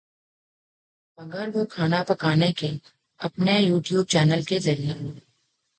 مگر وہ کھانا پکانے کے اپنے یو ٹیوب چینل کے ذریعے